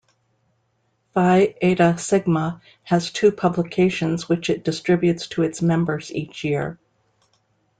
Phi Eta Sigma has two publications which it distributes to its members each year.